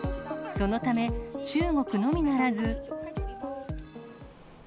そのため、中国のみならず。